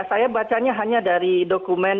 saya bacanya hanya dari dokumen